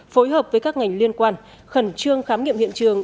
phối hợp với các ngành liên quan khẩn trương khám nghiệm hiện trường